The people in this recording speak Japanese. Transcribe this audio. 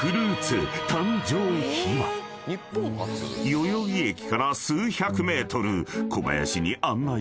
［代々木駅から数百ｍ］